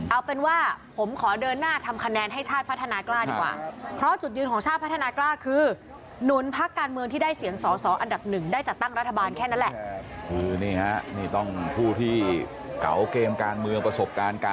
เอาเป็นว่าผมขอเดินหน้าทำคะแนนให้ชาติพัฒนากล้าดีกว่า